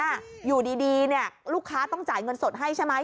อยู่ดีเนี่ยลูกค้าต้องจ่ายเงินสดให้ใช่ไหม